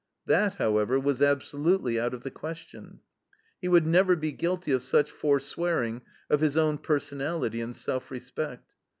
That, however, was absolutely out of the question. He would never be guilty of such forswearing of his own personality and self respect.